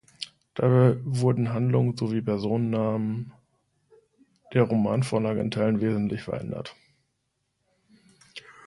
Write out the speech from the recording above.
Dabei wurden Handlung sowie Personennamen der Romanvorlage in Teilen wesentlich verändert.